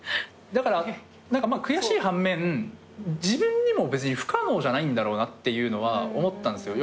だから何か悔しい半面自分にも別に不可能じゃないんだろうなっていうのは思ったんすよ。